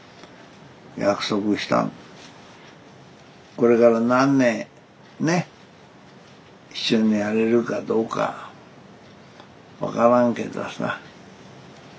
これから何年ね一緒にやれるかどうか分からんけどさ。